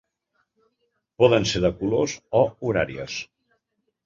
Poden ser de colors o horàries.